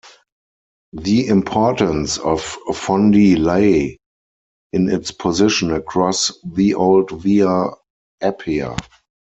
The importance of Fondi lay in its position across the old Via Appia.